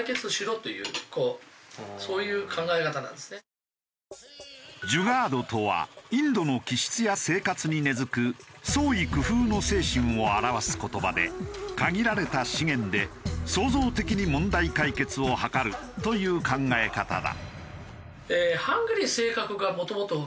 更にインドの人々がジュガードとはインドの気質や生活に根付く創意工夫の精神を表す言葉で限られた資源で創造的に問題解決を図るという考え方だ。